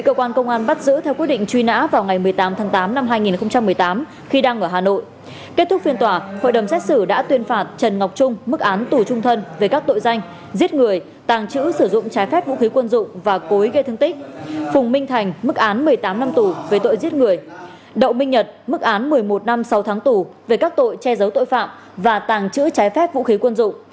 đậu minh nhật mức án một mươi một năm sau tháng tù về các tội che giấu tội phạm và tàng trữ trái phép vũ khí quân dụng